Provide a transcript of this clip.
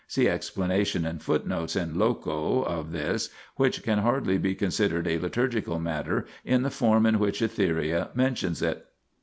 See explanation in footnotes in loco of this, which can hardly be considered a liturgical matter in the form in which Etheria mentions it.